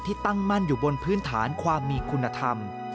ตั้งมั่นอยู่บนพื้นฐานความมีคุณธรรม